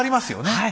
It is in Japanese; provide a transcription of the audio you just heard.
はい。